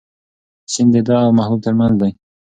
سیند د ده او محبوب تر منځ دی.